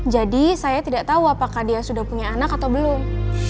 jadi saya tidak tahu apakah dia sudah punya anak atau belum